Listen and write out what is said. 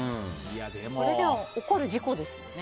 でも、これ起こる事故ですよね。